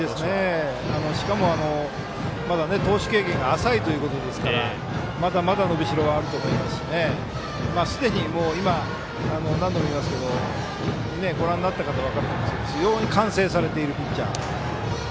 しかも、まだ投手経験が浅いということですからまだまだ伸びしろはあると思いますしすでに今、何度も言いますけどご覧になってる方は分かると思いますけど非常に完成されているピッチャー。